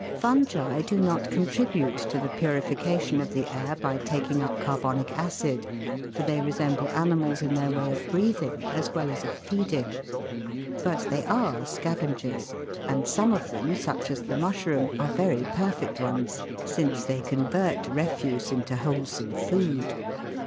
Fungi do not contribute to the purification of the air by taking up carbonic acid, for they resemble animals in their way of breathing, as well as of feeding ; but they are scavengers, and some of them, such as the mushroom, are very perfect ones, since they convert refuse into wholesome * Chapter VII. FUNGI AS SCAVENGERS. 175 food.